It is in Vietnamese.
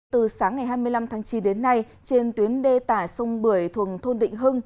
từ sáng ngày hai mươi năm tháng chín đến nay trên tuyến đê tả sông bưởi thuộc thôn định hưng